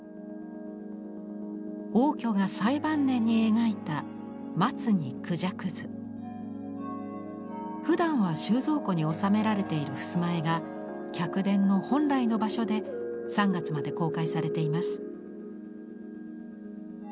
応挙が最晩年に描いたふだんは収蔵庫におさめられている襖絵が客殿の本来の場所で３月まで公開されています。